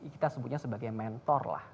kita sebutnya sebagai mentor lah